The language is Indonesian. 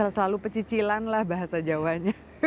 selalu pecicilan lah bahasa jawanya